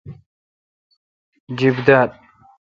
جِیب دال۔